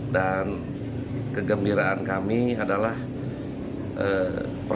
dan kegembiraan kami adalah pelakon